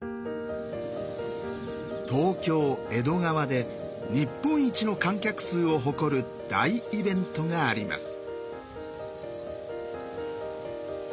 東京・江戸川で日本一の観客数を誇る大イベントがあります。